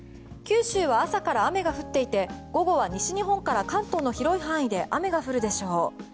九州は朝から雨が降っていて午後は西日本から関東の広い範囲で雨が降るでしょう。